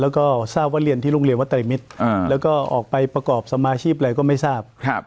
แล้วก็ทราบว่าเรียนที่โรงเรียนวัดไตรมิตรแล้วก็ออกไปประกอบสมาชีพอะไรก็ไม่ทราบ